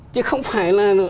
chứ không phải là